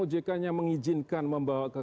ojk nya mengizinkan membawa ke